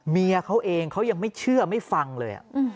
เมียเขาเองเขายังไม่เชื่อไม่ฟังเลย